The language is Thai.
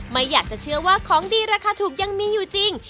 ไม่อยากจะเชื่อว่าของดีราคาถูกยังมีอยู่จริง